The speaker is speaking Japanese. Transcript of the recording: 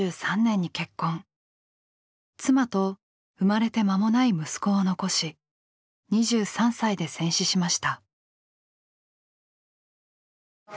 妻と生まれて間もない息子を残し２３歳で戦死しました。